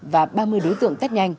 và ba mươi đối tượng tết nhanh